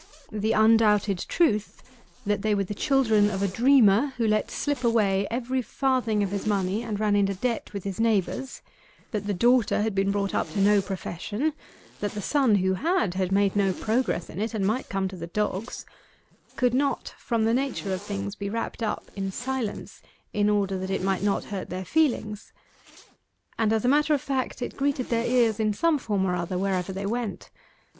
The undoubted truth, that they were the children of a dreamer who let slip away every farthing of his money and ran into debt with his neighbours that the daughter had been brought up to no profession that the son who had, had made no progress in it, and might come to the dogs could not from the nature of things be wrapped up in silence in order that it might not hurt their feelings; and as a matter of fact, it greeted their ears in some form or other wherever they went.